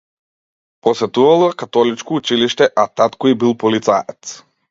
Посетувала католичко училиште, а татко и бил полицаец.